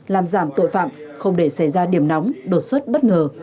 làm giảm tội phạm không để xảy ra điểm nóng đột xuất bất ngờ